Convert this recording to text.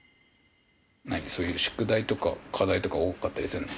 なにそういう宿題とか課題とか多かったりするの？